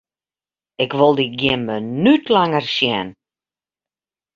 Ik wol dyn gjin minút langer sjen!